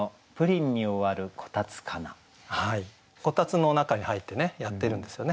炬燵の中に入ってねやってるんですよね。